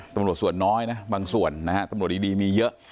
ตำรวจส่วนน้อยนะบางส่วนนะฮะตำรวจดีมีเยอะ